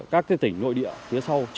các tỉnh nội địa phía sau